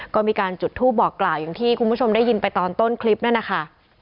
ก็มีการจุดทูปบอกกล่าวอย่างที่คุณผู้ชมได้ยินไปตอนต้นคลิปนั่นนะคะ